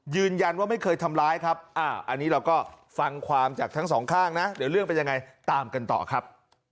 ยืนยันว่าไม่เคยทำร้ายครับอันนี้เราก็ฟังความจากทั้งสองข้างนะเดี๋ยวเรื่องเป็นยังไงตามกันต่อครับ